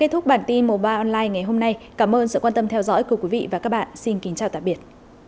kết thúc bản tin mùa ba online ngày hôm nay cảm ơn sự quan tâm theo dõi của quý vị và các bạn xin kính chào tạm biệt